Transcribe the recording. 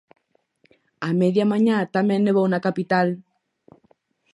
Á media mañá tamén nevou na capital.